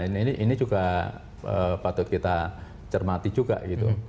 nah ini juga patut kita cermati juga gitu